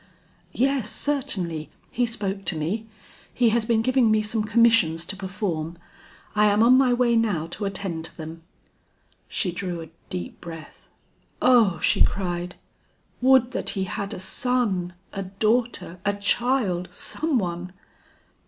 "Yes, certainly; he spoke to me; he has been giving me some commissions to perform. I am on my way now to attend to them." She drew a deep breath. "O!" she cried, "would that he had a son, a daughter, a child, some one!"